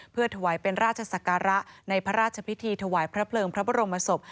เพื่อถวายเป็นราชศักระในพระราชพิธีถวายพระเพลิงพระบรมศพ